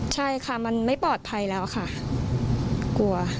ใช่ค่ะมันไม่ปลอดภัยแล้วค่ะกลัว